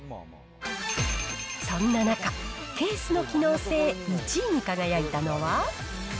そんな中、ケースの機能性１位に輝いたのは？